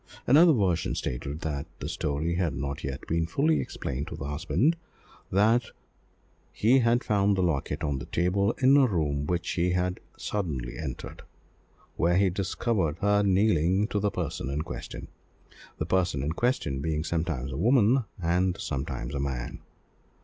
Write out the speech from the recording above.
Another version stated that the story had not yet been fully explained to the husband, that he had found the locket on the table in a room that he had suddenly entered, where he discovered her kneeling to the person in question, "the person in question" being sometimes a woman and sometimes a man.